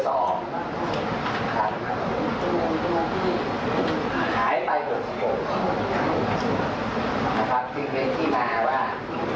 หายไป๖๖ครับจึงเป็นที่มาว่า